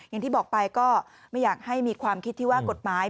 อย่างที่บอกไปก็ไม่อยากให้มีความคิดที่ว่ากฎหมาย